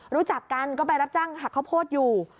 รู้จักกันก็ไปรับจ้างหักข้าวโพดอยู่